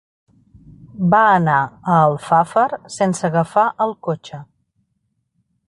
Va anar a Alfafar sense agafar el cotxe.